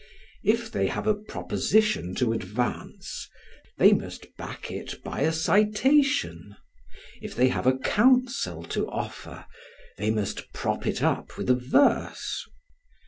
If they have a proposition to advance, they must back it by a citation: if they have a counsel to offer, they must prop it with a verse.